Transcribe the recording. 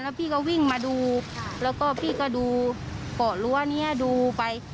พี่ก็วิ่งมาดูแล้วก็พี่ก็ดูเกาะรั้วนี้ดูไป